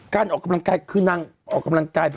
ออกกำลังกายคือนางออกกำลังกาย